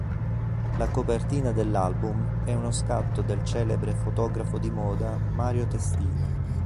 La copertina dell'album è uno scatto del celebre fotografo di moda Mario Testino.